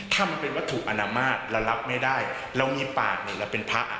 ถ้ามันเป็นวัตถุอนามาตรเรารับไม่ได้เรามีปากเหมือนเราเป็นพระอ่ะ